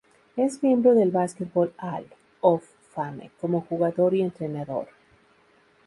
Es miembro del Basketball Hall of Fame como jugador y entrenador.